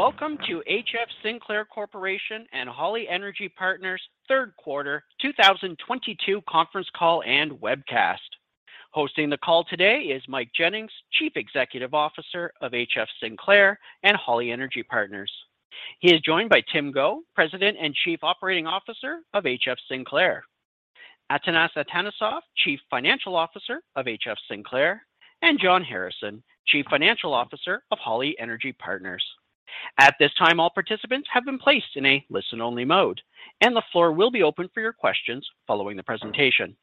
Welcome to HF Sinclair Corporation and Holly Energy Partners' third quarter 2022 conference call and webcast. Hosting the call today is Mike Jennings, Chief Executive Officer of HF Sinclair and Holly Energy Partners. He is joined by Tim Go, President and Chief Operating Officer of HF Sinclair; Atanas Atanasov, Chief Financial Officer of HF Sinclair; and John Harrison, Chief Financial Officer of Holly Energy Partners. At this time, all participants have been placed in a listen-only mode, and the floor will be open for your questions following the presentation.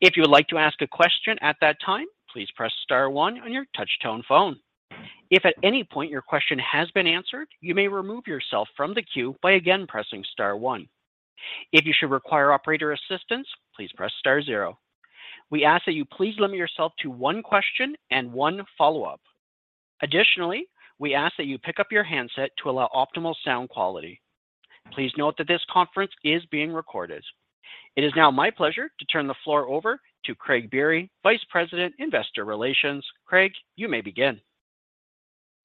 If you would like to ask a question at that time, please press star one on your touchtone phone. If at any point your question has been answered, you may remove yourself from the queue by again pressing star one. If you should require operator assistance, please press star zero. We ask that you please limit yourself to one question and one follow-up. Additionally, we ask that you pick up your handset to allow optimal sound quality. Please note that this conference is being recorded. It is now my pleasure to turn the floor over to Craig Biery, Vice President, Investor Relations. Craig, you may begin.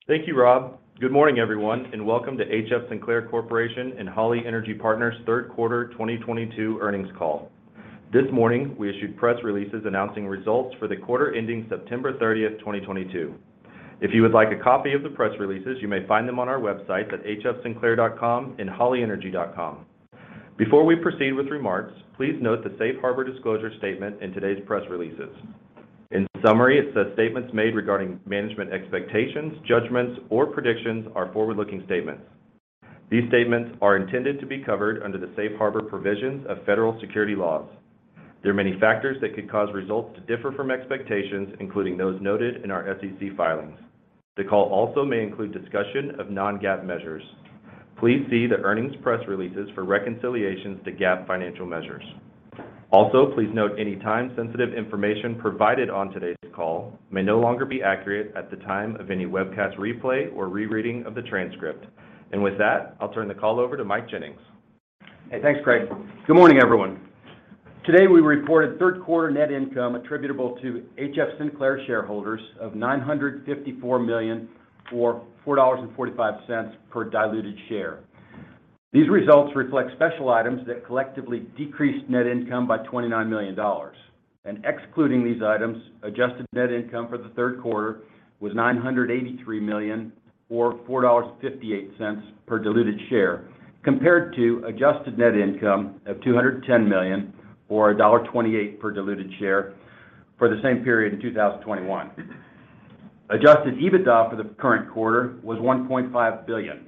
Thank you, Rob. Good morning, everyone, and welcome to HF Sinclair Corporation and Holly Energy Partners' third quarter 2022 earnings call. This morning, we issued press releases announcing results for the quarter ending September 30, 2022. If you would like a copy of the press releases, you may find them on our website at hfsinclair.com and hollyenergy.com. Before we proceed with remarks, please note the safe harbor disclosure statement in today's press releases. In summary, it says statements made regarding management expectations, judgments, or predictions are forward-looking statements. These statements are intended to be covered under the safe harbor provisions of federal security laws. There are many factors that could cause results to differ from expectations, including those noted in our SEC filings. The call also may include discussion of non-GAAP measures. Please see the earnings press releases for reconciliations to GAAP financial measures. Also, please note any time-sensitive information provided on today's call may no longer be accurate at the time of any webcast replay or rereading of the transcript. With that, I'll turn the call over to Mike Jennings. Hey, thanks, Craig. Good morning, everyone. Today, we reported third quarter net income attributable to HF Sinclair shareholders of $954 million, or $4.45 per diluted share. These results reflect special items that collectively decreased net income by $29 million. Excluding these items, adjusted net income for the third quarter was $983 million or $4.58 per diluted share, compared to adjusted net income of $210 million, or $1.28 per diluted share for the same period in 2021. Adjusted EBITDA for the current quarter was $1.5 billion,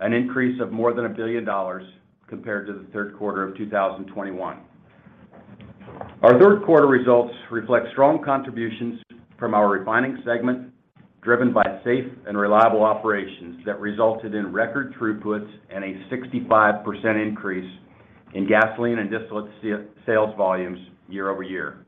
an increase of more than billion dollars compared to the third quarter of 2021. Our third quarter results reflect strong contributions from our refining segment, driven by safe and reliable operations that resulted in record throughputs, and a 65% increase in gasoline and distillate sales volumes year over year.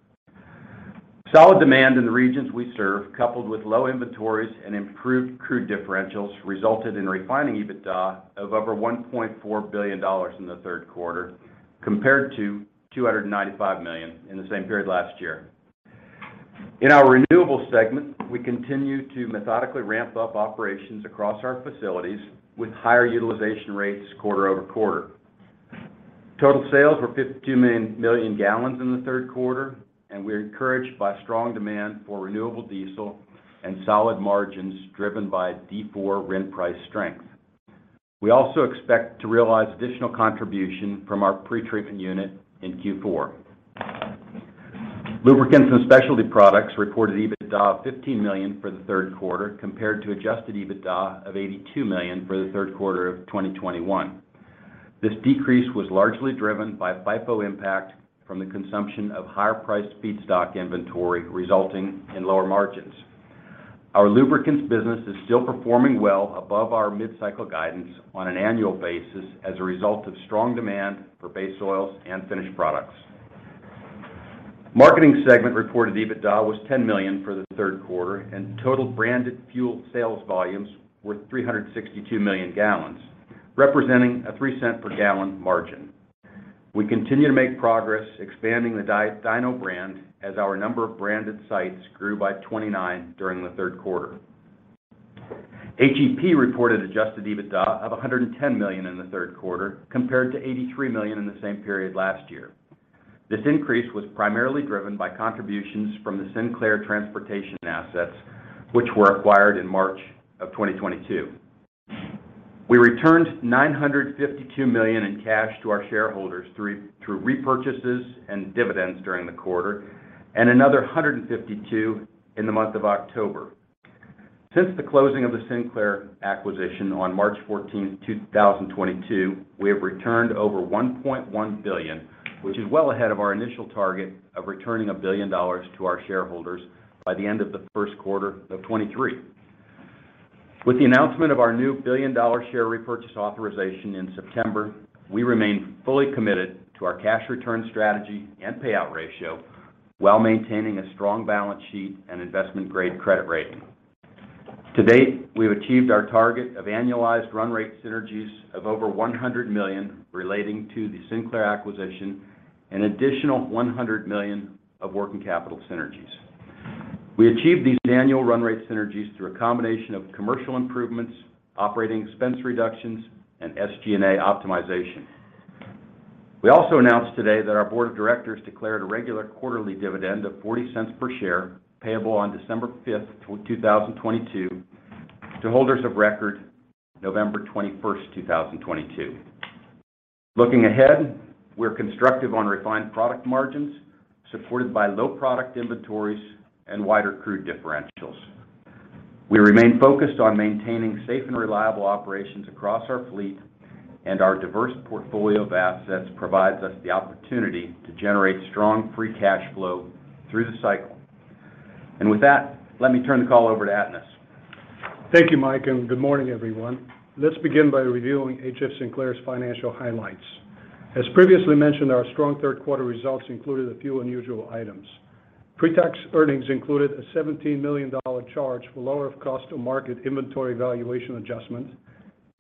Solid demand in the regions we serve, coupled with low inventories and improved crude differentials, resulted in refining EBITDA of over $1.4 billion in the third quarter, compared to $295 million in the same period last year. In our renewable segment, we continue to methodically ramp up operations across our facilities, with higher utilization rates quarter over quarter. Total sales were 52 million gallons in the third quarter, and we're encouraged by strong demand for renewable diesel, and solid margins driven by D4 RIN price strength. We also expect to realize additional contribution from our pretreatment unit in Q4. Lubricants and specialty products reported EBITDA of $15 million for the third quarter compared to adjusted EBITDA of $82 million for the third quarter of 2021. This decrease was largely driven by FIFO impact, from the consumption of higher-priced feedstock inventory, resulting in lower margins. Our lubricants business is still performing well above our mid-cycle guidance on an annual basis as a result of strong demand for base oils and finished products. Marketing segment reported EBITDA was $10 million for the third quarter, and total branded fuel sales volumes were 362 million gallons, representing a $0.03 per gallon margin. We continue to make progress expanding the Dino brand as our number of branded sites grew by 29 during the third quarter. HEP reported adjusted EBITDA of $110 million in the third quarter, compared to $83 million in the same period last year. This increase was primarily driven by contributions from the Sinclair transportation assets, which were acquired in March 2022. We returned $952 million in cash to our shareholders through repurchases and dividends during the quarter, and another $152 million in the month of October. Since the closing of the Sinclair acquisition on March 14, 2022, we have returned over $1.1 billion, which is well ahead of our initial target of returning a billion dollars to our shareholders by the end of the first quarter of 2023. With the announcement of our new billion-dollar share repurchase authorization in September, we remain fully committed to our cash return strategy and payout ratio, while maintaining a strong balance sheet and investment-grade credit rating. To date, we've achieved our target of annualized run rate synergies of over $100 million relating to the Sinclair acquisition, an additional $100 million of working capital synergies. We achieved these annual run rate synergies through a combination of commercial improvements, operating expense reductions, and SG&A optimization. We also announced today that our board of directors declared a regular quarterly dividend of $0.40 per share, payable on December 5, 2022, to holders of record November 21, 2022. Looking ahead, we're constructive on refined product margins, supported by low product inventories and wider crude differentials. We remain focused on maintaining safe and reliable operations across our fleet, and our diverse portfolio of assets provides us the opportunity to generate strong free cash flow through the cycle. With that, let me turn the call over to Atanas. Thank you, Mike, and good morning, everyone. Let's begin by reviewing HF Sinclair's financial highlights. As previously mentioned, our strong third quarter results included a few unusual items. Pretax earnings included a $17 million charge for lower of cost or market inventory valuation adjustments.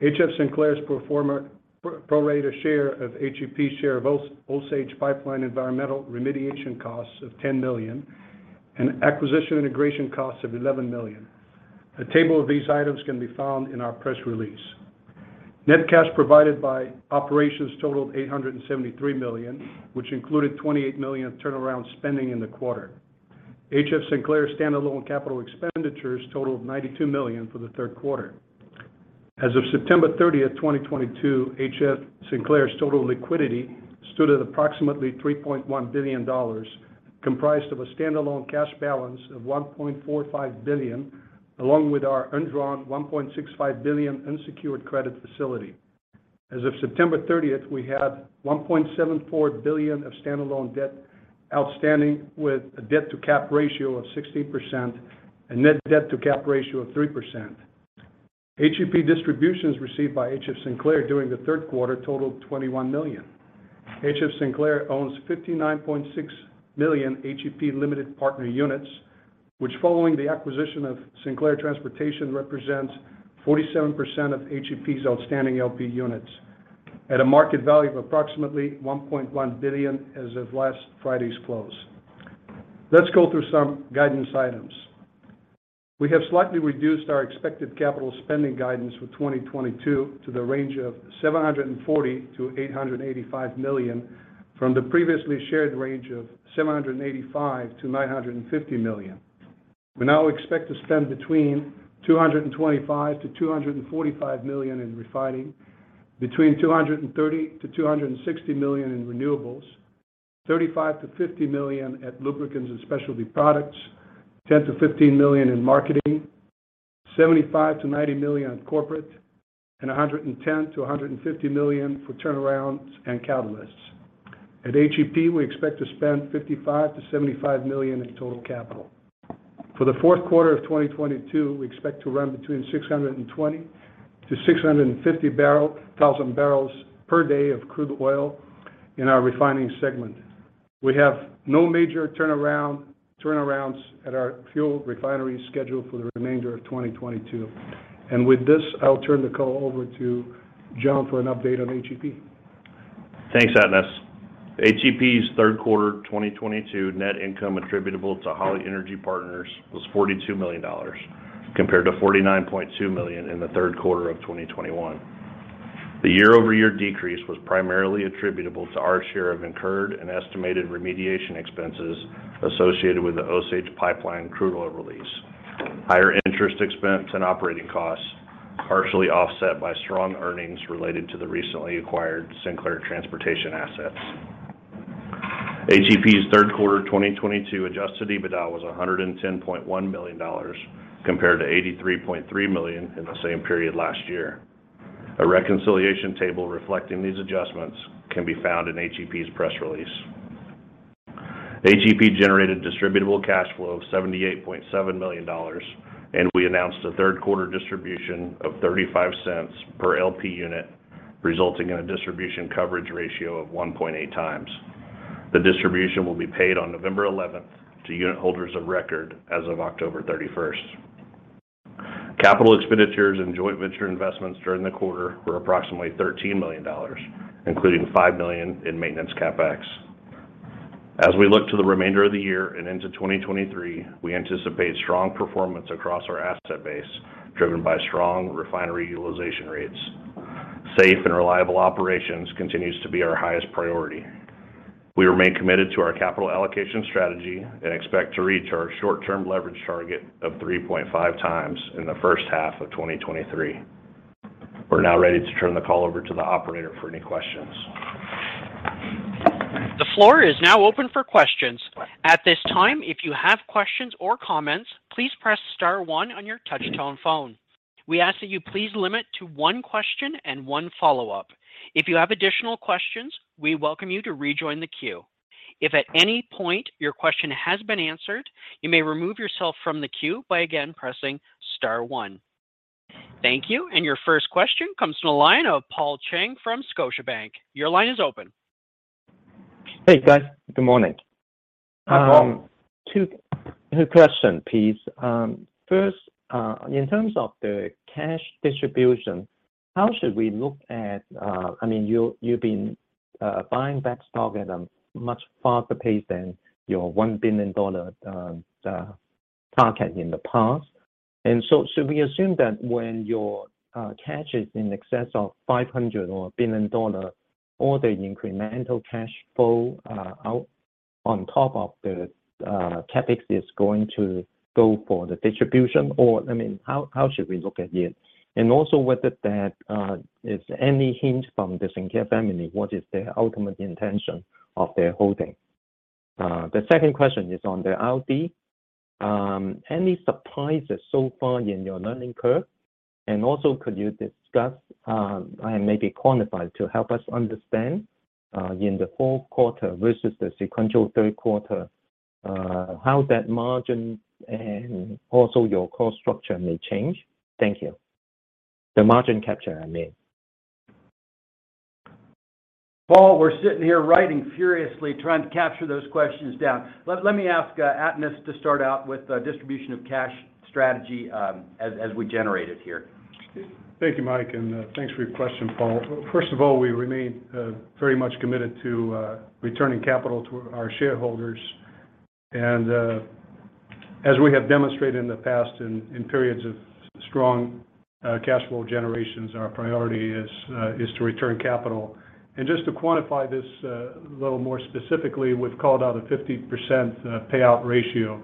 HF Sinclair's pro rata share of HEP's share of Osage Pipeline environmental remediation costs of $10 million, and acquisition integration costs of $11 million. A table of these items can be found in our press release. Net cash provided by operations totaled $873 million, which included $28 million in turnaround spending in the quarter. HF Sinclair's standalone capital expenditures totaled $92 million for the third quarter. As of September 30th, 2022, HF. Sinclair's total liquidity stood at approximately $3.1 billion, comprised of a standalone cash balance of $1.45 billion, along with our undrawn $1.65 billion unsecured credit facility. As of September 30, we had $1.74 billion of standalone debt outstanding, with a debt-to-cap ratio of 16% and net debt-to-cap ratio of 3%. HEP distributions received by HF Sinclair during the third quarter totaled $21 million. HF Sinclair owns 59.6 million HEP limited partner units, which following the acquisition of Sinclair Transportation, represents 47% of HEP's outstanding LP units at a market value of approximately $1.1 billion as of last Friday's close. Let's go through some guidance items. We have slightly reduced our expected capital spending guidance for 2022, to the range of $740 million-$885 million, from the previously shared range of $785 million-$950 million. We now expect to spend between $225 million-$245 million in refining, between $230 million-$260 million in renewables, $35 million-$50 million at lubricants and specialty products, $10 million-$15 million in marketing, $75 million-$90 million on corporate, and $110 million-$150 million for turnarounds and catalysts. At HEP, we expect to spend $55 million-$75 million in total capital. For the fourth quarter of 2022, we expect to run between 620, to 650 thousand barrels per day of crude oil, in our refining segment. We have no major turnarounds at our fuel refinery scheduled for the remainder of 2022. With this, I'll turn the call over to John for an update on HEP. Thanks, Atanas. HEP's third quarter 2022 net income attributable to Holly Energy Partners was $42 million, compared to $49.2 million in the third quarter of 2021. The year-over-year decrease was primarily attributable to our share of incurred and estimated remediation expenses, associated with the Osage Pipe Line crude oil release. Higher interest expense and operating costs, partially offset by strong earnings related to the recently acquired Sinclair Transportation assets. HEP's third quarter 2022 adjusted EBITDA was $110.1 million, compared to $83.3 million in the same period last year. A reconciliation table reflecting these adjustments can be found in HEP's press release. HEP generated distributable cash flow of $78.7 million, and we announced a third quarter distribution of $0.35 per LP unit, resulting in a distribution coverage ratio of 1.8 times. The distribution will be paid on November 11, to unit holders of record as of October 31. Capital expenditures and joint venture investments during the quarter were approximately $13 million, including $5 million in maintenance CapEx. As we look to the remainder of the year and into 2023, we anticipate strong performance across our asset base, driven by strong refinery utilization rates. Safe and reliable operations continues to be our highest priority. We remain committed to our capital allocation strategy and expect to reach our short-term leverage target of 3.5 times in the first half of 2023. We're now ready to turn the call over to the operator for any questions. The floor is now open for questions. At this time, if you have questions or comments, please press star one on your touch-tone phone. We ask that you please limit to one question and one follow-up. If you have additional questions, we welcome you to rejoin the queue. If at any point your question has been answered, you may remove yourself from the queue by, again, pressing star one. Thank you, and your first question comes from the line of Paul Cheng from Scotiabank. Your line is open. Hey, guys. Good morning. Hi, Paul. Two questions, please. First, in terms of the cash distribution. How should we look at? I mean, you've been buying back stock at a much faster pace than your $1 billion target in the past. So should we assume that when your cash is in excess of $500 or $1 billion, all the incremental cash flow out, on top of the CapEx is going to go for the distribution? Or, I mean, how should we look at it? And also whether there is any hint from the Sinclair family what is their ultimate intention of their holding? The second question is on the RD. Any surprises so far in your learning curve? Also could you discuss, and maybe quantify to help us understand, in the fourth quarter versus the sequential third quarter, how that margin and also your cost structure may change? Thank you. The margin capture, I mean. Paul, we're sitting here writing furiously trying to capture those questions down. Let me ask Atanas to start out with the distribution of cash strategy, as we generate it here. Thank you, Mike, and thanks for your question, Paul. First of all, we remain very much committed to returning capital to our shareholders. As we have demonstrated in the past in periods of strong cash flow generations, our priority is to return capital. Just to quantify this a little more specifically, we've called out a 50% payout ratio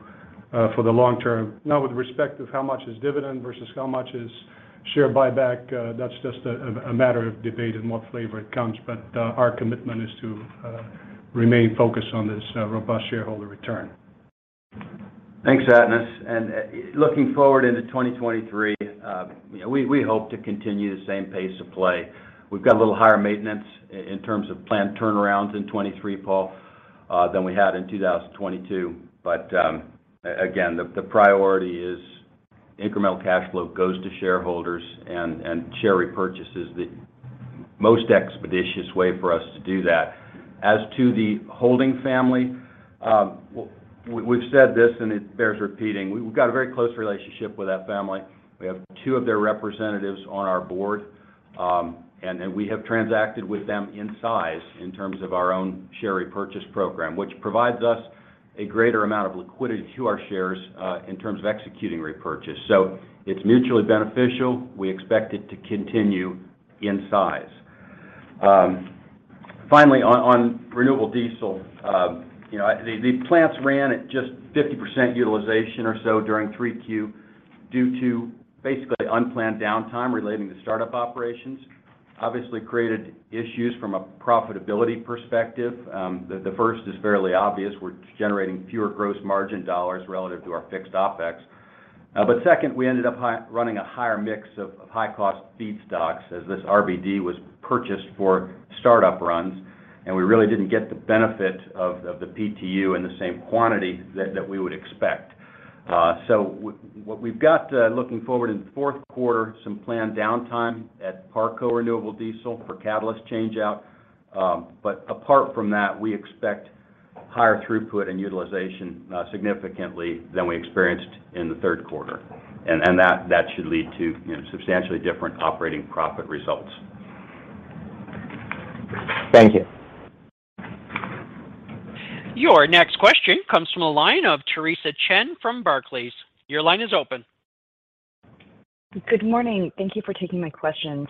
for the long term. Not with respect to how much is dividend versus how much is share buyback. That's just a matter of debate in what flavor it comes. Our commitment is to remain focused on this robust shareholder return. Thanks, Atanas. Looking forward into 2023, you know, we hope to continue the same pace of play. We've got a little higher maintenance in terms of planned turnarounds in 2023, Paul, than we had in 2022. Again, the priority is, incremental cash flow goes to shareholders and share repurchase is the most expeditious way for us to do that. As to the holding family, we've said this and it bears repeating. We've got a very close relationship with that family. We have two of their representatives on our board. And we have transacted with them in size in terms of our own share repurchase program, which provides us a greater amount of liquidity to our shares in terms of executing repurchase. It's mutually beneficial. We expect it to continue in size. Finally on renewable diesel, the plants ran at just 50% utilization or so during 3Q, due to basically unplanned downtime relating to startup operations. Obviously created issues from a profitability perspective. The first is fairly obvious. We're generating fewer gross margin dollars relative to our fixed OpEx. Second, we ended up running a higher mix of high-cost feedstocks as this RBD was purchased for startup runs, and we really didn't get the benefit of the PTU in the same quantity that we would expect. What we've got looking forward in the fourth quarter, some planned downtime at Parco Renewable Diesel for catalyst change-out. Apart from that, we expect higher throughput and utilization significantly than we experienced in the third quarter. That should lead to, you know, substantially different operating profit results. Thank you. Your next question comes from the line of Theresa Chen from Barclays. Your line is open. Good morning. Thank you for taking my questions.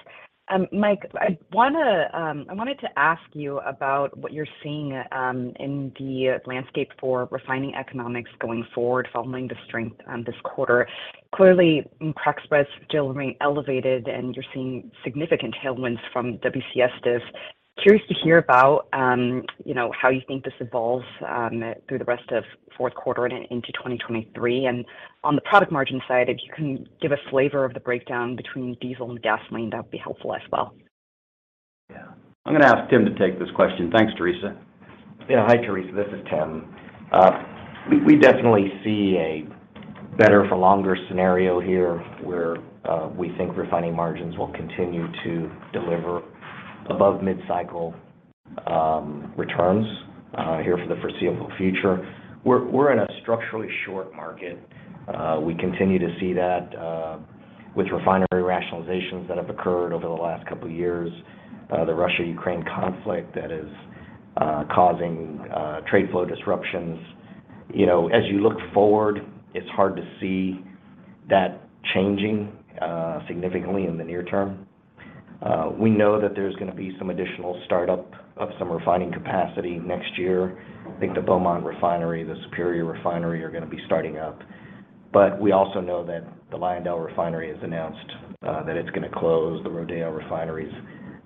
Mike, I wanted to ask you about what you're seeing in the landscape for refining economics going forward following the strength this quarter. Clearly, crack spreads still remain elevated and you're seeing significant tailwinds from WCS diff. Curious to hear about, you know, how you think this evolves through the rest of fourth quarter and into 2023. On the product margin side, if you can give a flavor of the breakdown between diesel and gasoline, that'd be helpful as well. Yeah. I'm gonna ask Tim to take this question. Thanks, Theresa. Yeah. Hi, Theresa. This is Tim. We definitely see a better for longer scenario here where we think refining margins will continue to deliver, above mid-cycle returns here for the foreseeable future. We're in a structurally short market. We continue to see that with refinery rationalizations that have occurred over the last couple years, the Russia-Ukraine conflict that is causing trade flow disruptions. You know, as you look forward, it's hard to see that changing significantly in the near term. We know that there's gonna be some additional startup of some refining capacity next year. I think the Beaumont Refinery, the Superior Refinery are gonna be starting up. We also know that the LyondellBasell Houston Refinery has announced that it's gonna close. The Rodeo Refinery's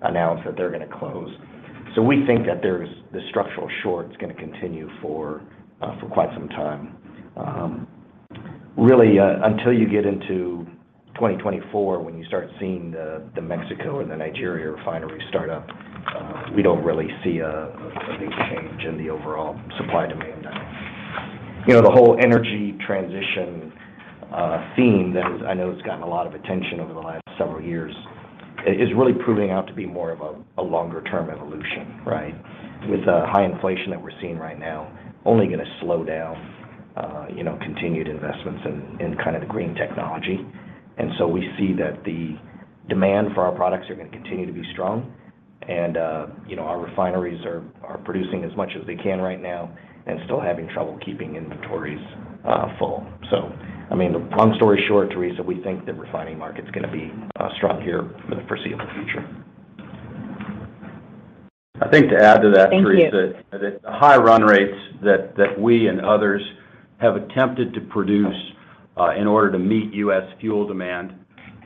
announced that they're gonna close. We think that there's the structural short's gonna continue for quite some time. Really, until you get into 2024, when you start seeing the Mexico and the Nigeria refinery start up, we don't really see a big change in the overall supply-demand dynamic. You know, the whole energy transition, theme that I know has gotten a lot of attention over the last several years, is really proving out to be more of a longer-term evolution, right? With the high inflation that we're seeing right now only gonna slow down, continued investments in kind of the green technology. We see that the demand for our products are gonna continue to be strong. You know, our refineries are producing as much as they can right now, and still having trouble keeping inventories full. I mean, the long story short, Theresa, we think the refining market's gonna be strong here for the foreseeable future. I think to add to that, Theresa. Thank you. That the high run rates that we and others have attempted to produce in order to meet U.S. fuel demand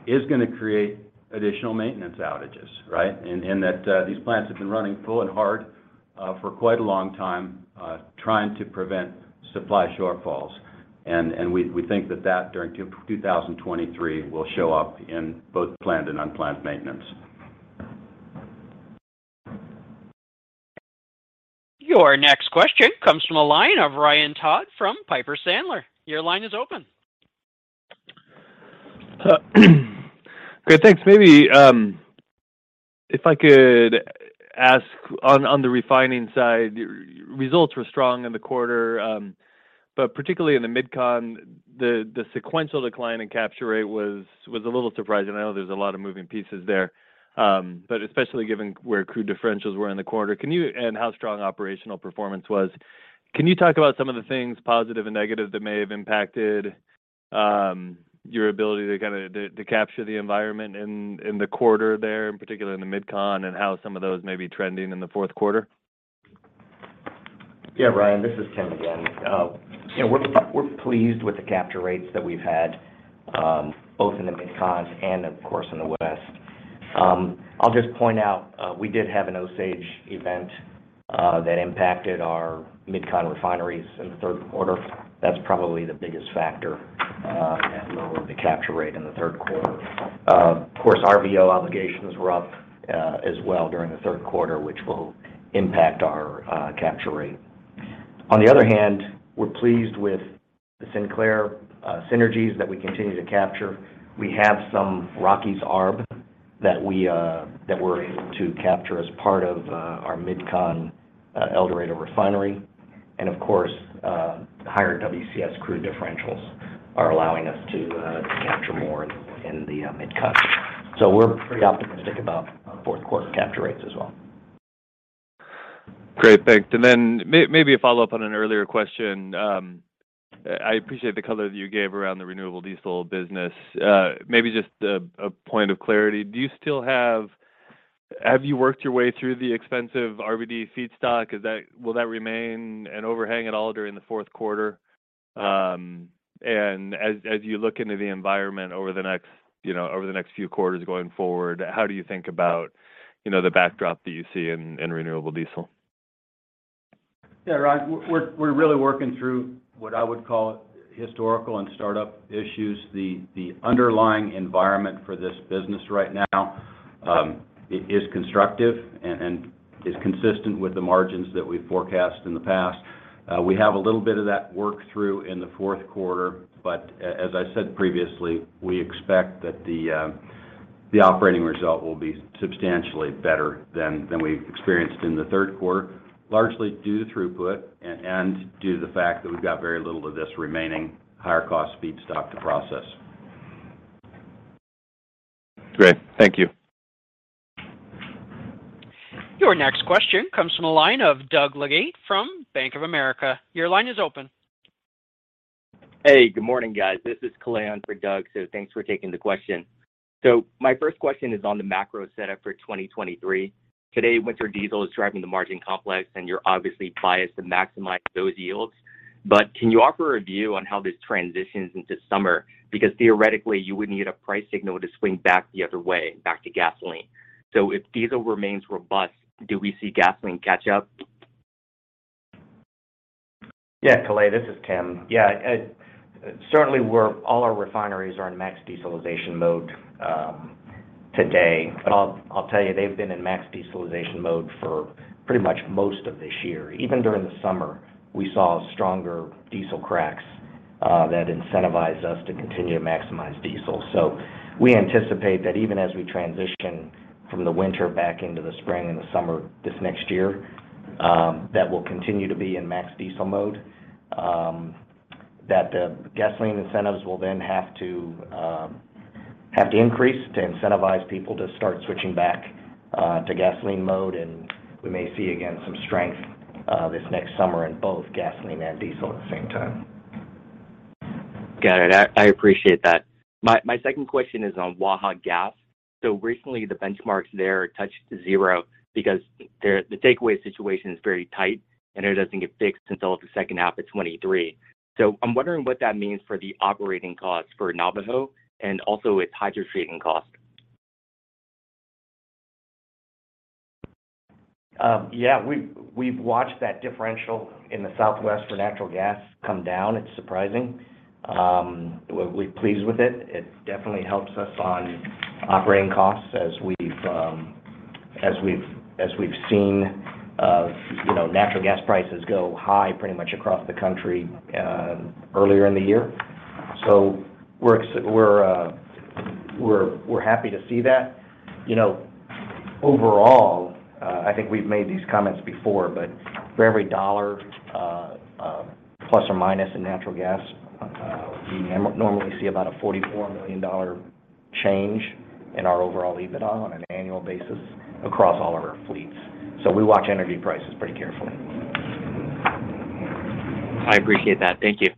is gonna create additional maintenance outages, right? That these plants have been running full and hard for quite a long time trying to prevent supply shortfalls. We think that during 2023 will show up in both planned and unplanned maintenance. Your next question comes from the line of Ryan Todd from Piper Sandler. Your line is open. Great. Thanks. Maybe if I could ask on the refining side, results were strong in the quarter, but particularly in the MidCon, the sequential decline in capture rate was a little surprising. I know there's a lot of moving parts there. Especially given where crude differentials were in the quarter and how strong operational performance was, can you talk about some of the things, positive and negative, that may have impacted your ability to kind of capture the environment in the quarter there, in particular in the MidCon, and how some of those may be trending in the fourth quarter? Yeah, Ryan, this is Tim again. You know, we're pleased with the capture rates that we've had both in the MidCons and of course in the West. I'll just point out we did have an Osage event that impacted our MidCon refineries in the third quarter. That's probably the biggest factor in lowering the capture rate in the third quarter. Of course, RVO obligations were up as well during the third quarter, which will impact our capture rate. On the other hand, we're pleased with the Sinclair synergies that we continue to capture. We have some Rockies ARB, that we're able to capture as part of our MidCon El Dorado Refinery. Of course, higher WCS crude differentials are allowing us to capture more in the MidCon. We're pretty optimistic about fourth quarter capture rates as well. Great. Thanks. Maybe a follow-up on an earlier question. I appreciate the color that you gave around the renewable diesel business. Maybe just a point of clarity. Have you worked your way through the expensive RBD feedstock? Will that remain an overhang at all during the fourth quarter? As you look into the environment over the next, you know, over the next few quarters going forward, how do you think about, you know, the backdrop that you see in renewable diesel? Yeah, Ryan, we're really working through what I would call historical and startup issues. The underlying environment for this business right now, it is constructive and is consistent with the margins that we've forecast in the past. We have a little bit of that work through in the fourth quarter. As I said previously, we expect that the operating result will be substantially better than we experienced in the third quarter, largely due to throughput and due to the fact that we've got very little of this remaining higher cost feedstock to process. Great. Thank you. Your next question comes from the line of Doug Leggate from Bank of America. Your line is open. Hey, good morning, guys. This is Kalei on for Doug, so thanks for taking the question. My first question is on the macro setup for 2023. Today, winter diesel is driving the margin complex, and you're obviously biased to maximize those yields. Can you offer a view on how this transitions into summer? Because theoretically, you would need a price signal to swing back the other way, back to gasoline. If diesel remains robust, do we see gasoline catch up? Yeah, Kalei, this is Tim. Yeah, certainly all our refineries are in max dieselization mode today. I'll tell you, they've been in max dieselization mode for pretty much most of this year. Even during the summer, we saw stronger diesel cracks, that incentivize us to continue to maximize diesel. We anticipate that even as we transition from the winter back into the spring and the summer this next year, that we'll continue to be in max diesel mode, that the gasoline incentives will then have to, increase to incentivize people to start switching back to gasoline mode. We may see again some strength this next summer in both gasoline and diesel at the same time. Got it. I appreciate that. My second question is on Waha gas. Recently, the benchmarks there touched zero because the takeaway situation is very tight, and it doesn't get fixed until the second half of 2023. I'm wondering what that means for the operating costs for Navajo and also its hydrotreating cost. Yeah. We've watched that differential in the Southwest for natural gas come down. It's surprising. We're pleased with it. It definitely helps us on operating costs as we've seen, you know, natural gas prices go high pretty much across the country, earlier in the year. We're happy to see that. You know, overall, I think we've made these comments before, but for every dollar plus or minus in natural gas, we normally see about a $44 million change, in our overall EBITDA on an annual basis across all of our fleets. We watch energy prices pretty carefully. I appreciate that. Thank you.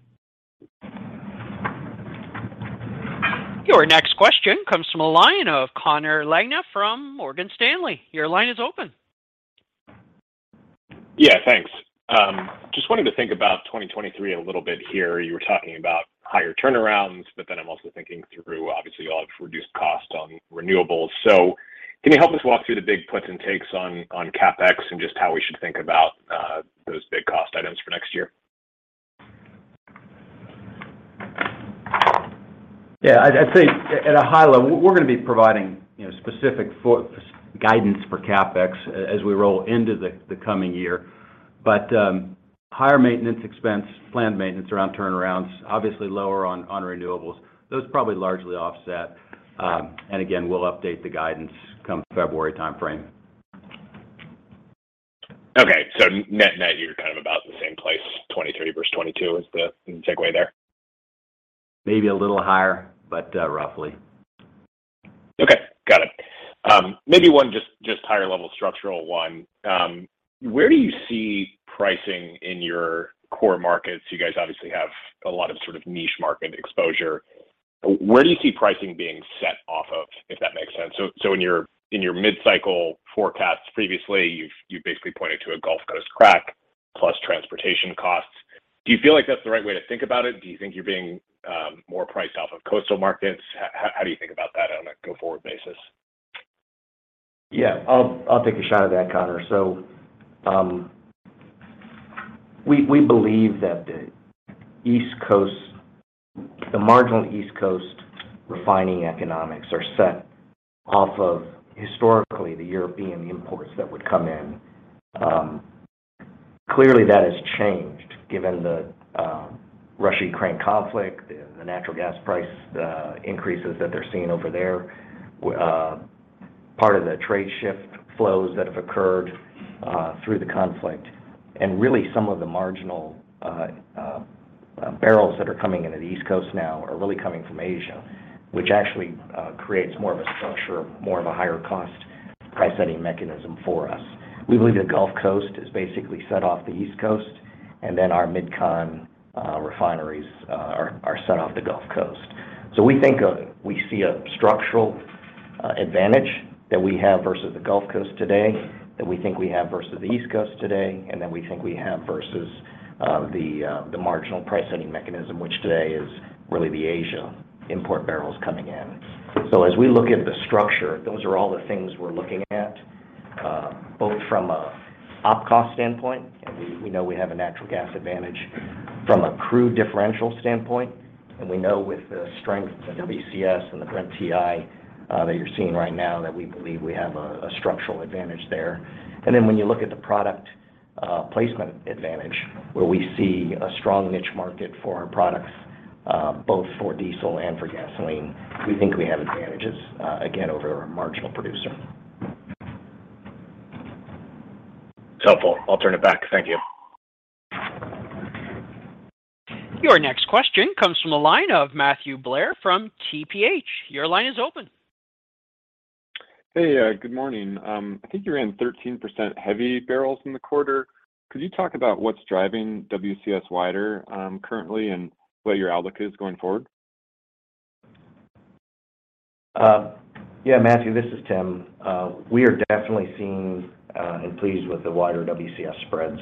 Your next question comes from a line of Connor Lynagh from Morgan Stanley. Your line is open. Yeah, thanks. Just wanting to think about 2023 a little bit here. You were talking about higher turnarounds, but then I'm also thinking through, obviously, you all have reduced costs on renewables. Can you help us walk through the big puts and takes on CapEx and just how we should think about those big cost items for next year? Yeah, I'd say at a high level, we're gonna be providing, you know, guidance for CapEx as we roll into the coming year. Higher maintenance expense, planned maintenance around turnarounds, obviously lower on renewables, those probably largely offset. Again, we'll update the guidance come February timeframe. Okay. Net, net, you're kind of about the same place, 2023 versus 2022 is the segue there? Maybe a little higher, but, roughly. Okay. Got it. Maybe one just higher level structural one. Where do you see pricing in your core markets? You guys obviously have a lot of sort of niche market exposure. Where do you see pricing being set off of, if that makes sense? So in your mid-cycle forecast previously, you basically pointed to a Gulf Coast crack, plus transportation costs. Do you feel like that's the right way to think about it? Do you think you're being more priced off of coastal markets? How do you think about that on a go-forward basis? Yeah. I'll take a shot at that, Connor. We believe that the East Coast, the marginal East Coast, refining economics are set off of historically the European imports that would come in. Clearly, that has changed given the Russia-Ukraine conflict, the natural gas price increases that they're seeing over there. Part of the trade shift flows that have occurred through the conflict. Really, some of the marginal barrels that are coming into the East Coast now are really coming from Asia, which actually creates more of a structure, more of a higher cost price setting mechanism for us. We believe the Gulf Coast is basically set off the East Coast, and then our MidCon refineries are set off the Gulf Coast. We see a structural, advantage that we have versus the Gulf Coast today, that we think we have versus the East Coast today, and that we think we have versus the marginal price setting mechanism, which today is really the Asia import barrels coming in. As we look at the structure, those are all the things we're looking at both from an OpEx standpoint, and we know we have a natural gas advantage. From a crude differential standpoint, and we know with the strength of WCS and the Brent-WTI that you're seeing right now, that we believe we have a structural advantage there. When you look at the product placement advantage, where we see a strong niche market for our products, both for diesel and for gasoline, we think we have advantages, again, over a marginal producer. Helpful. I'll turn it back. Thank you. Your next question comes from the line of Matthew Blair from TPH. Your line is open. Hey. Good morning. I think you ran 13% heavy barrels in the quarter. Could you talk about what's driving WCS wider, currently and what your outlook is going forward? Matthew, this is Tim. We are definitely seeing and pleased with the wider WCS spreads.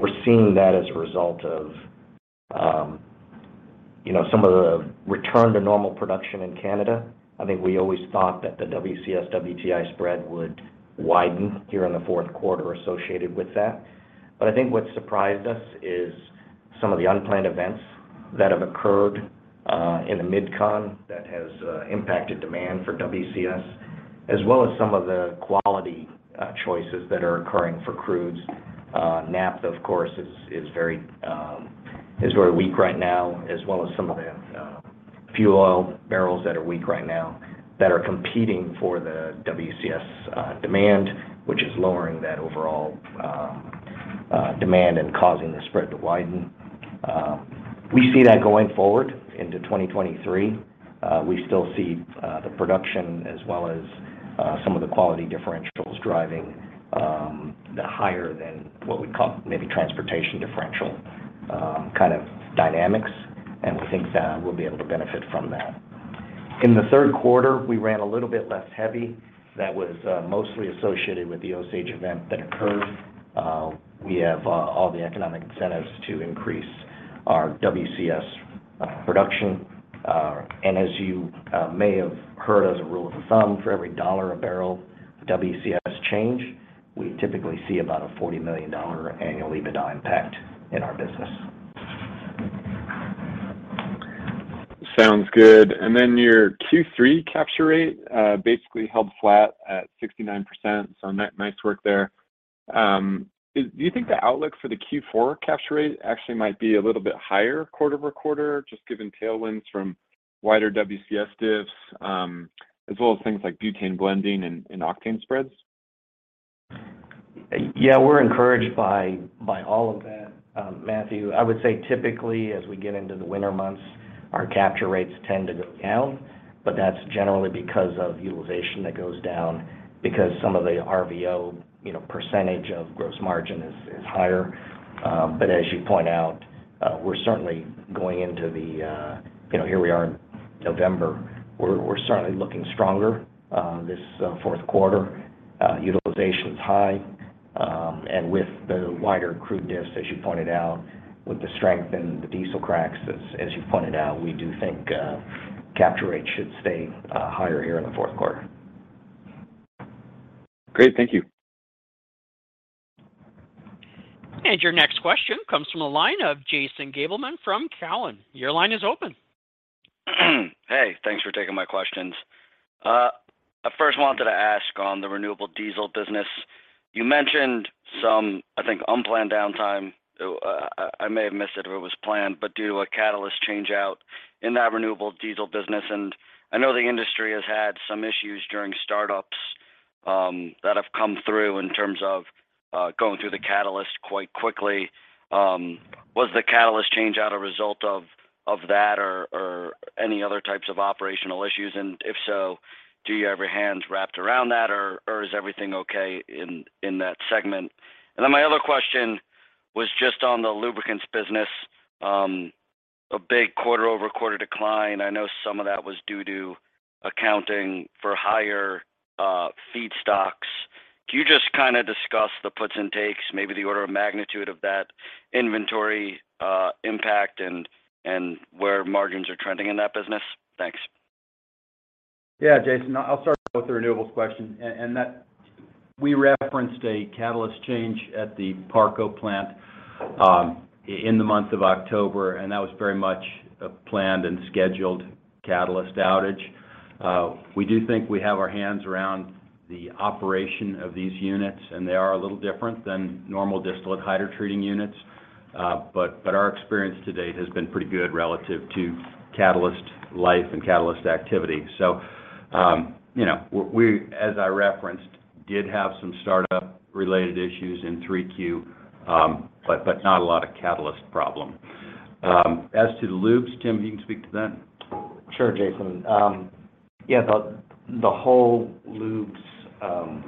We're seeing that as a result of, you know, some of the return to normal production in Canada. I think we always thought that the WCS-WTI spread would widen, here in the fourth quarter associated with that. I think what surprised us is some of the unplanned events, that have occurred in the MidCon that has impacted demand for WCS, as well as some of the quality choices that are occurring for crudes. Naphtha, of course, is very weak right now, as well as some of the fuel oil barrels that are weak right now, that are competing for the WCS demand, which is lowering that overall demand and causing the spread to widen. We see that going forward into 2023. We still see the production as well as some of the quality differentials driving the higher than what we call maybe transportation differential kind of dynamics, and we think that we'll be able to benefit from that. In the third quarter, we ran a little bit less heavy. That was mostly associated with the Osage event that occurred. We have all the economic incentives to increase our WCS production. As you may have heard as a rule of thumb, for every dollar a barrel of WCS change, we typically see about a $40 million annual EBITDA impact in our business. Sounds good. Then your Q3 capture rate basically held flat at 69%, so nice work there. Do you think the outlook for the Q4 capture rate actually might be a little bit higher quarter-over-quarter, just given tailwinds from wider WCS diffs, as well as things like butane blending and octane spreads? Yeah, we're encouraged by all of that, Matthew. I would say typically, as we get into the winter months, our capture rates tend to go down, but that's generally because of utilization that goes down because some of the RVO, you know, percentage of gross margin is higher. As you point out, we're certainly going into the, you know, here we are in November. We're certainly looking stronger this fourth quarter. Utilization's high. With the wider crude diffs, as you point out, with the strength in the diesel cracks, as you pointed out, we do think capture rates should stay higher here in the fourth quarter. Great. Thank you. Your next question comes from the line of Jason Gabelman from Cowen. Your line is open. Hey, thanks for taking my questions. I first wanted to ask on the renewable diesel business. You mentioned some, I think, unplanned downtime. I may have missed it if it was planned, but due to a catalyst change-out, in that renewable diesel business. I know the industry has had some issues during startups that have come through in terms of, going through the catalyst quite quickly. Was the catalyst change-out a result of that or any other types of operational issues? If so, do you have your hands wrapped around that or is everything okay in that segment? My other question was just on the lubricants business. A big quarter-over-quarter decline. I know some of that was due to accounting for higher feedstocks. Can you just kind of discuss the puts and takes, maybe the order of magnitude of that inventory impact and where margins are trending in that business? Thanks. Yeah, Jason, I'll start with the renewables question. We referenced a catalyst change at the Parco plant in the month of October, and that was very much a planned and scheduled catalyst outage. We do think we have our hands around the operation of these units, and they are a little different than normal distillate hydrotreating units. But our experience to date has been pretty good relative to catalyst life and catalyst activity. You know, we, as I referenced, did have some startup-related issues in 3Q, but not a lot of catalyst problem. As to the lubes, Tim, you can speak to that. Sure, Jason. Yeah, the whole lubes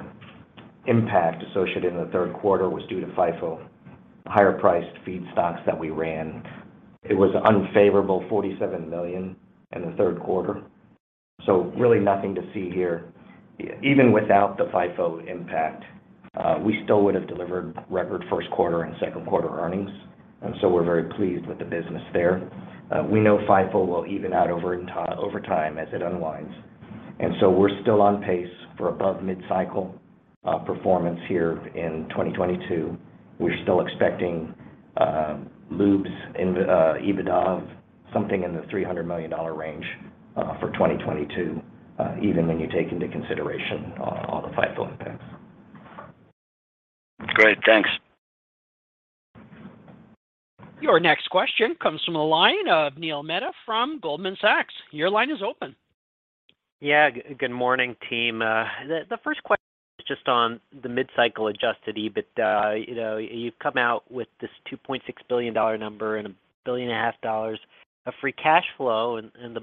impact associated in the third quarter was due to FIFO higher-priced feedstocks that we ran. It was unfavorable $47 million in the third quarter, so really nothing to see here. Even without the FIFO impact, we still would have delivered record first quarter and second quarter earnings. We're very pleased with the business there. We know FIFO will even out over time as it unwinds. We're still on pace for above mid-cycle performance here in 2022. We're still expecting lubes EBITDA, of something in the $300 million range for 2022, even when you take into consideration all the FIFO impacts. Great. Thanks. Your next question comes from the line of Neil Mehta from Goldman Sachs. Your line is open. Yeah. Good morning, team. The first question is just on the mid-cycle adjusted EBITDA. You know, you've come out with this $2.6 billion number and $1.5 billion of free cash flow, and the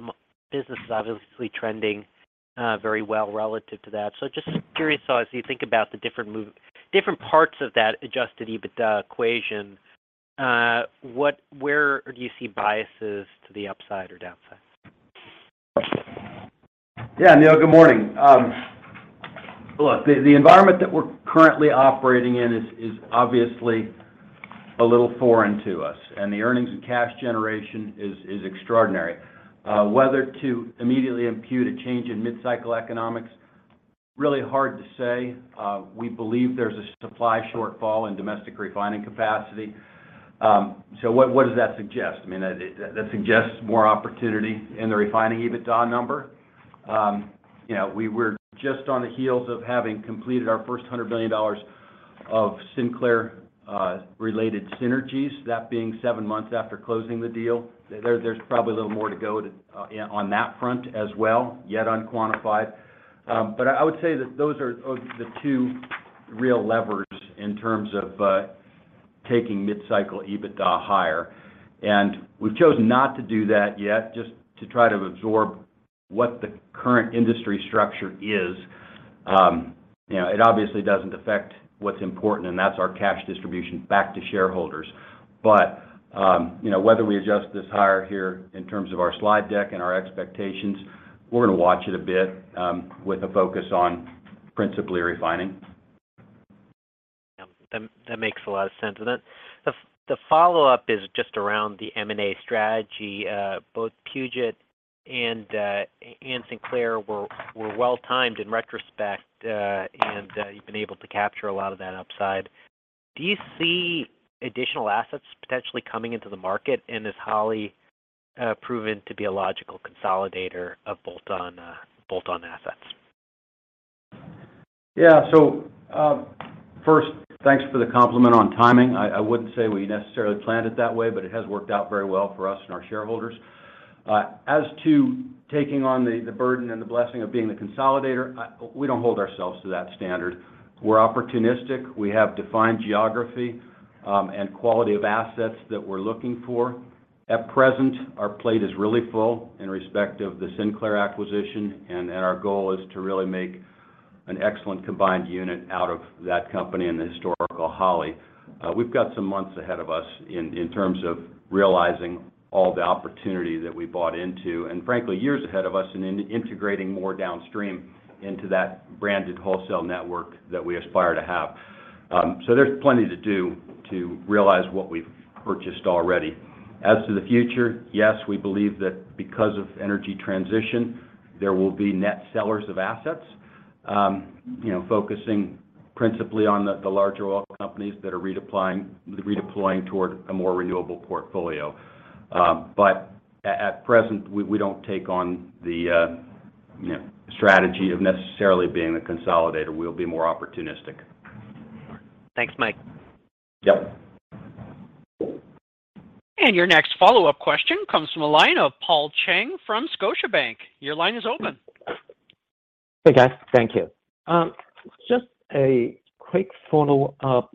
business is obviously trending very well relative to that. Just curious how, as you think about the different parts of that adjusted EBITDA equation, where do you see biases to the upside or downside? Yeah, Neil, good morning. Look, the environment that we're currently operating in is obviously a little foreign to us, and the earnings and cash generation is extraordinary. Whether to immediately impute a change in mid-cycle economics, really hard to say. We believe there's a supply shortfall in domestic refining capacity. What does that suggest? I mean, that suggests more opportunity in the refining EBITDA number. You know, we were just on the heels of having completed our first $100 billion of Sinclair related synergies. That being seven months after closing the deal. There's probably a little more to go to, you know, on that front as well, yet unquantified. I would say that those are the two, real levers in terms of taking mid-cycle EBITDA higher. We've chosen not to do that yet, just to try to absorb what the current industry structure is. You know, it obviously doesn't affect what's important, and that's our cash distribution back to shareholders. You know, whether we adjust this higher here in terms of our slide deck and our expectations, we're gonna watch it a bit, with a focus on principally refining. Yeah. That makes a lot of sense. Then the follow-up is just around the M&A strategy. Both Puget and Sinclair were well-timed in retrospect, and you've been able to capture a lot of that upside. Do you see additional assets potentially coming into the market in this highly proven to be a logical consolidator of bolt-on assets. Yeah. First, thanks for the compliment on timing. I wouldn't say we necessarily planned it that way, but it has worked out very well for us and our shareholders. As to taking on the burden and the blessing of being the consolidator, we don't hold ourselves to that standard. We're opportunistic. We have defined geography, and quality of assets that we're looking for. At present, our plate is really full in respect of the Sinclair acquisition, and our goal is to really make an excellent combined unit out of that company and the historical Holly. We've got some months ahead of us, in terms of realizing all the opportunity that we bought into, and frankly, years ahead of us in integrating more downstream into that branded wholesale network that we aspire to have. There's plenty to do to realize what we've purchased already. As to the future, yes, we believe that because of energy transition, there will be net sellers of assets, you know, focusing principally on the larger oil companies that are redeploying toward a more renewable portfolio. At present, we don't take on the strategy of necessarily being the consolidator. We'll be more opportunistic. Thanks, Mike. Yep. Your next follow-up question comes from the line of Paul Cheng from Scotiabank. Your line is open. Hey, guys. Thank you. Just a quick follow-up.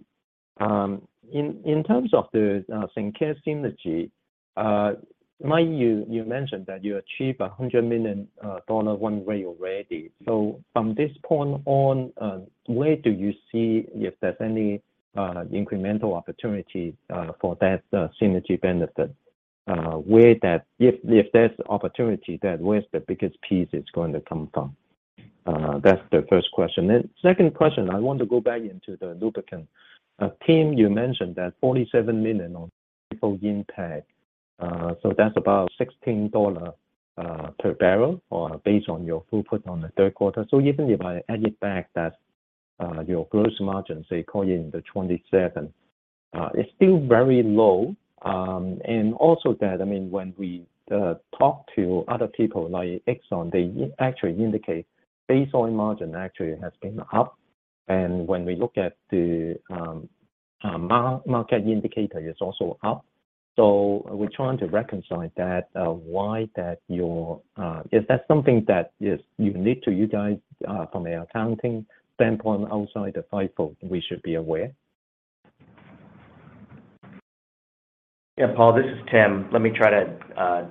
In terms of the Sinclair synergy, Mike, you mentioned that you achieved a $100 million run rate already. From this point on, where do you see if there's any incremental opportunity for that synergy benefit? If there's opportunity there, where is the biggest piece it's going to come from? That's the first question. Second question, I want to go back into the lubricant. Tim, you mentioned that $47 million on FIFO impact. That's about $16, per barrel on your throughput on the third quarter. Even if I add it back, that's your gross margin, say, call it in the 27. It's still very low. I mean, when we talk to other people like Exxon, they actually indicate base oil margin actually has been up. When we look at the market indicator, it's also up. We're trying to reconcile that. Is that something that is unique to you guys from an accounting standpoint outside of FIFO we should be aware? Yeah, Paul, this is Tim. Let me try to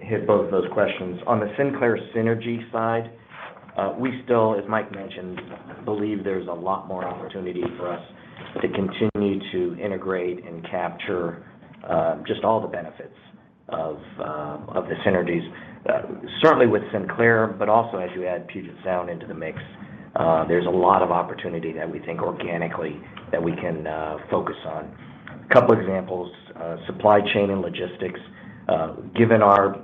hit both of those questions. On the Sinclair synergy side, we still, as Mike mentioned, believe there's a lot more opportunity for us, to continue to integrate and capture just all the benefits of the synergies, certainly with Sinclair, but also as you add Puget Sound into the mix. There's a lot of opportunity that we think organically that we can focus on. A couple examples, supply chain and logistics. Given our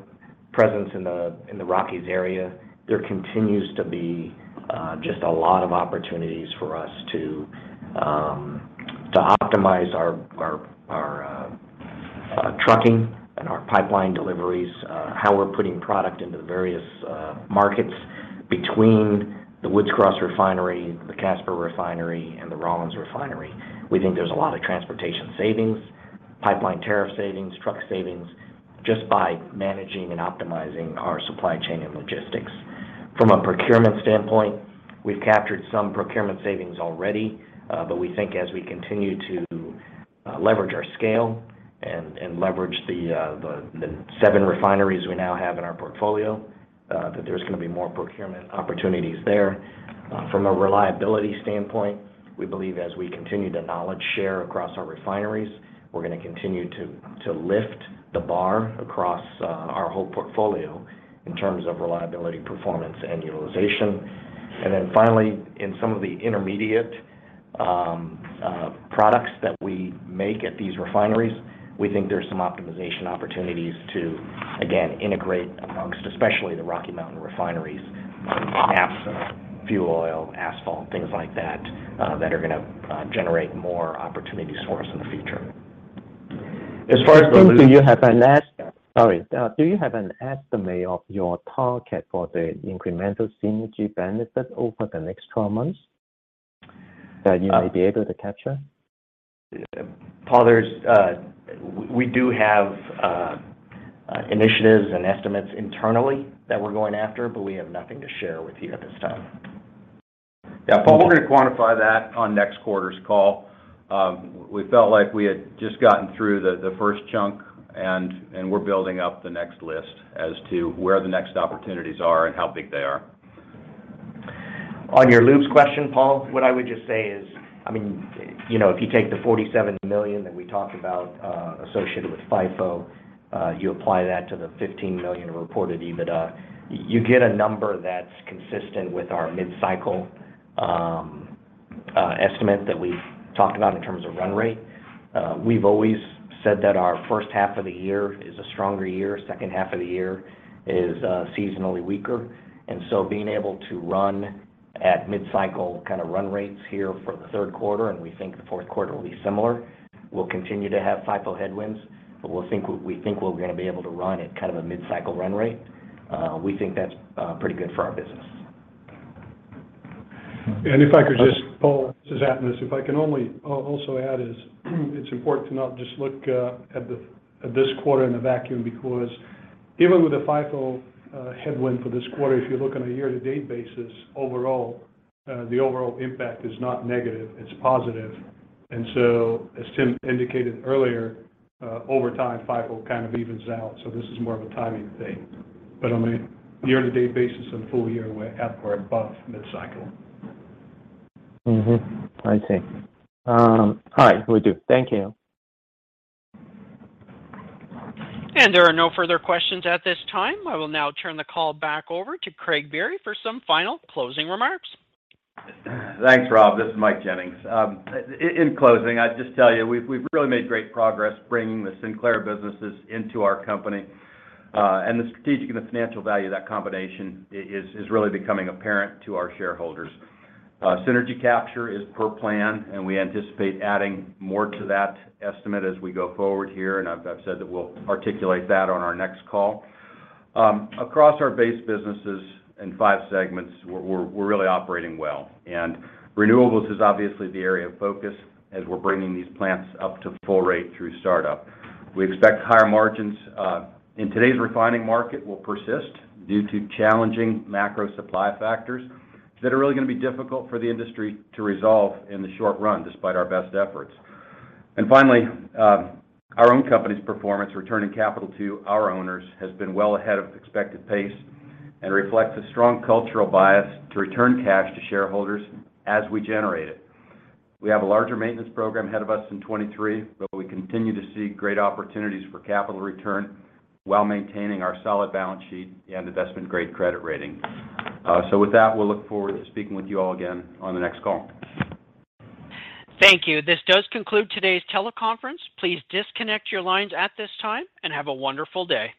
presence in the Rockies area, there continues to be just a lot of opportunities for us to, optimize our trucking and our pipeline deliveries, how we're putting product into the various markets between the Woods Cross Refinery, the Casper Refinery, and the Rawlins Refinery. We think there's a lot of transportation savings, pipeline tariff savings, truck savings, just by managing and optimizing our supply chain and logistics. From a procurement standpoint, we've captured some procurement savings already. We think as we continue to leverage our scale and leverage the seven refineries we now have in our portfolio, that there's gonna be more procurement opportunities there. From a reliability standpoint, we believe as we continue to knowledge share across our refineries, we're gonna continue to lift the bar across our whole portfolio in terms of reliability, performance, and utilization. Finally, in some of the intermediate products that we make at these refineries, we think there's some optimization opportunities to, again, integrate amongst, especially the Rocky Mountain refineries, naphtha, fuel oil, asphalt, things like that are gonna generate more opportunities for us in the future. As far as- Go ahead. Do you have an estimate of your target for the incremental synergy benefit over the next 12 months that you may be able to capture? Paul, we do have initiatives and estimates internally that we're going after, but we have nothing to share with you at this time. Yeah, Paul, we're gonna quantify that on next quarter's call. We felt like we had just gotten through the first chunk, and we're building up the next list as to where the next opportunities are and how big they are. On your lubes question, Paul, what I would just say is, I mean, you know, if you take the $47 million that we talked about associated with FIFO, you apply that to the $15 million reported EBITDA, you get a number that's consistent with our mid-cycle, estimate that we've talked about in terms of run rate. We've always said that our first half of the year is a stronger year, second half of the year is seasonally weaker. Being able to run at mid-cycle kind of run rates here for the third quarter, and we think the fourth quarter will be similar. We'll continue to have FIFO headwinds, but we think we're gonna be able to run at kind of a mid-cycle run rate. We think that's pretty good for our business. Paul, this is Atanas. It's important to not just look at this quarter in a vacuum, because even with the FIFO headwind for this quarter, if you look on a year-to-date basis, overall, the overall impact is not negative, it's positive. As Tim indicated earlier, over time, FIFO kind of evens out, so this is more of a timing thing. On a year-to-date basis and full year, we're at or above mid-cycle. I see. All right. Will do. Thank you. There are no further questions at this time. I will now turn the call back over to Craig Biery for some final closing remarks. Thanks, Rob. This is Mike Jennings. In closing, I'd just tell you, we've really made great progress bringing the Sinclair businesses into our company. The strategic and the financial value of that combination is really becoming apparent to our shareholders. Synergy capture is per plan, and we anticipate adding more to that estimate as we go forward here, and I've said that we'll articulate that on our next call. Across our base businesses in five segments, we're really operating well. Renewables is obviously the area of focus as we're bringing these plants up to full rate through startup. We expect higher margins in today's refining market will persist due to challenging macro supply factors that are really gonna be difficult for the industry to resolve in the short run, despite our best efforts. Finally, our own company's performance, returning capital to our owners, has been well ahead of expected pace and reflects a strong cultural bias to return cash to shareholders as we generate it. We have a larger maintenance program ahead of us in 2023, but we continue to see great opportunities for capital return while maintaining our solid balance sheet and investment-grade credit rating. With that, we'll look forward to speaking with you all again on the next call. Thank you. This does conclude today's teleconference. Please disconnect your lines at this time, and have a wonderful day.